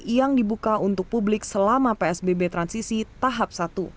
yang dibuka untuk publik selama psbb transisi tahap satu